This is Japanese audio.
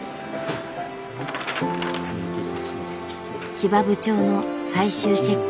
千葉部長の最終チェック。